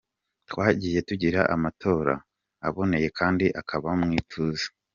Twagiye tugira amatora aboneye kandi akaba mu ituze.